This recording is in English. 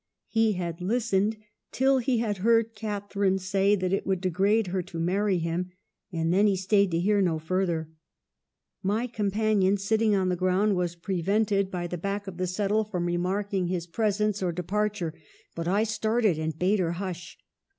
He had listened till he had heard Catharine say that it would degrade her to marry him, and then he stayed to hear no further. My companion, sit ting on the ground, was prevented by the back 248 EMILY BRONTE. of the settle from remarking his presence or de parture ; but I started, and bade her hush.